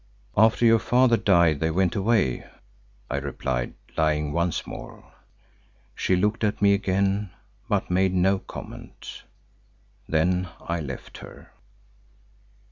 "After your father died they went away," I replied, lying once more. She looked at me again but made no comment. Then I left her.